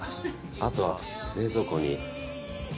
あとは冷蔵庫に。